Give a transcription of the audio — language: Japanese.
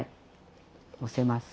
のせます。